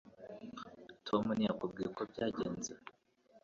Tom ntiyakubwiye uko byagenze